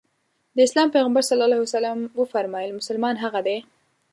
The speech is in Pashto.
د اسلام پيغمبر ص وفرمايل مسلمان هغه دی.